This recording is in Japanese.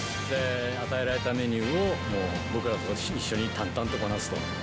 与えられたメニューを僕らと一緒に淡々とこなすと。